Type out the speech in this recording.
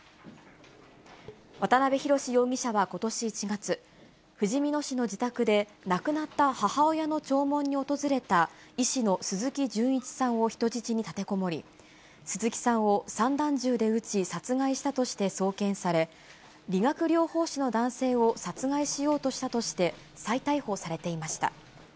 渡辺宏容疑者はことし１月、ふじみ野市の自宅で亡くなった母親の弔問に訪れた医師の鈴木純一さんを人質に立てこもり、鈴木さんを散弾銃で撃ち、殺害したとして送検され、理学療法士の男性を殺害しようとしたとして、再逮捕されていました。